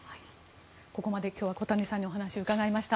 ここまで今日は小谷さんにお話を伺いました。